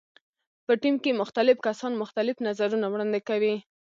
په ټیم کې مختلف کسان مختلف نظرونه وړاندې کوي.